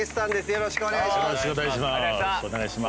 よろしくお願いします。